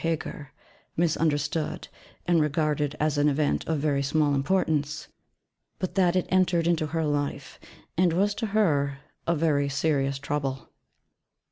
Heger, misunderstood, and regarded as an event of small importance; but that it 'entered into her life,' and was to her a very serious trouble.